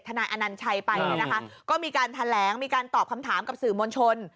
นายอนัญชัยไปเนี่ยนะคะก็มีการแถลงมีการตอบคำถามกับสื่อมวลชน